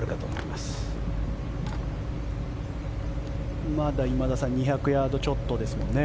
まだ今田さん２００ヤードちょっとですもんね。